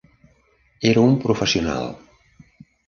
Era un professional.